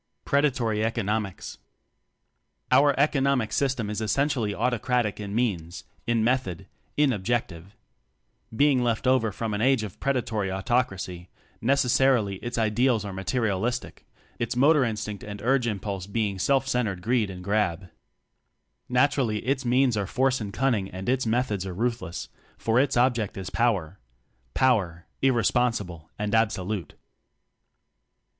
Predatory Economics. Our "economic system" is essen tially autocratic in means, in method, in objective. Being a left over from an Age of Predatory Autocracy, necessarily its ideals are materialis tic its motor instinct and urge im pulse being self centered "greed and grab." Naturally its means are force and cunning and its methods are ruthless, for its object is power power, irresponsible and absolute.